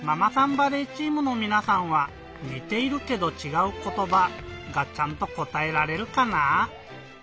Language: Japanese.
バレーチームのみなさんは「にているけどちがうことば」がちゃんとこたえられるかな？